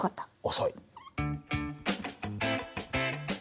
遅い。